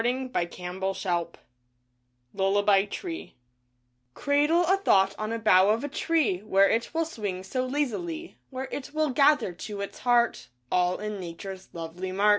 D A v DRE A 1,1 S LULLABY TREE Cradle a thought on a bough of a tree, Where it will swing so lazily, Where it will gather to its heart All in Nature's lovely mart.